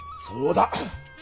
そうだ！